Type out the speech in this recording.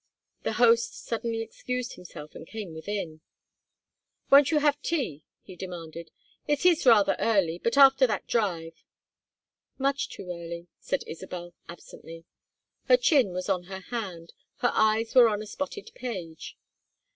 The host suddenly excused himself and came within. "Won't you have tea?" he demanded. "It is rather early, but after that drive " "Much too early," said Isabel, absently. Her chin was on her hand, her eyes were on a spotted page.